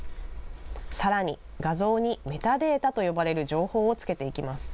さらに、画像にメタデータと呼ばれる情報を付けていきます。